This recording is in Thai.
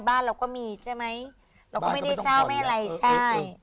บ้านเราก็มีใช่ไหมเราก็ไม่ได้เช่าไม่อะไรใช่